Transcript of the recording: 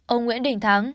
ông nguyễn đình thắng